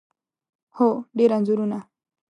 هو، ډیر انځورونه